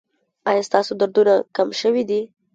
ایا ستاسو دردونه کم شوي دي؟